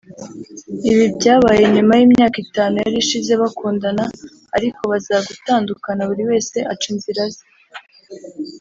Ibi byabaye nyuma y’imyaka itanu yari ishize bakundana ariko bazagutandukana buri wese aca inzira ze